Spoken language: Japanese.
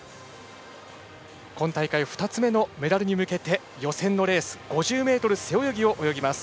今大会２つ目のメダルに向けて予選のレース５０ｍ背泳ぎを泳ぎます。